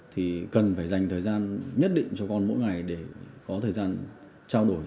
thì cần phải dành thời gian nhất định cho con mỗi ngày để có thời gian trao đổi